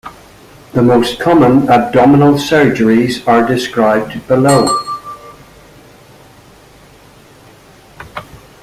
The most common abdominal surgeries are described below.